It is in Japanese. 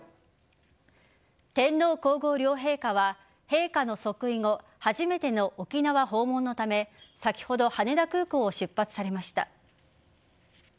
天皇皇后両陛下は陛下の即位後初めての沖縄訪問のため先ほど羽田空港を出発されました。